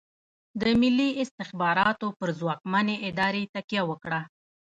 د ملي استخباراتو پر ځواکمنې ادارې تکیه وکړه.